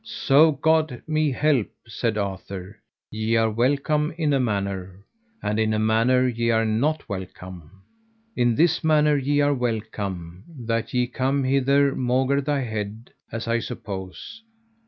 So God me help, said Arthur, ye are welcome in a manner, and in a manner ye are not welcome. In this manner ye are welcome, that ye come hither maugre thy head, as I suppose.